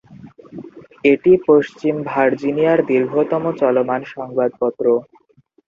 এটি পশ্চিম ভার্জিনিয়ার দীর্ঘতম চলমান সংবাদপত্র।